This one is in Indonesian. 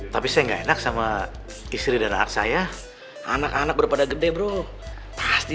tapi saya enggak enak sama istri dan anak saya anak anak berbeda bro pasti